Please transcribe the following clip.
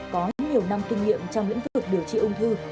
có nhiều năm kinh nghiệm trong lĩnh vực điều trị ung thư